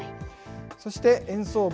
そして、円相場。